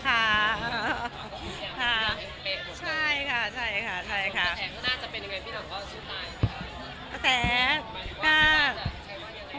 กระแสก็น่าจะเป็นยังไงพี่หล่อง